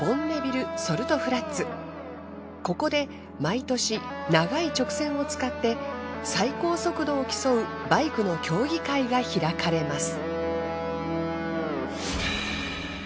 ここで毎年長い直線を使って最高速度を競うバイクの競技会が開かれます。